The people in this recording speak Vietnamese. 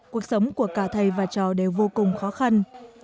cuộc sống của cả thầy và trò đều vô cùng khó khăn